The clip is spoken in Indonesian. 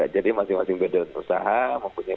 jadi masing masing beda dan usaha